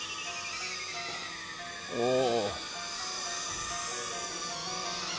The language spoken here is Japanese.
おお。